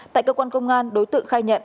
tại cơ quan công an đối tượng khai nhận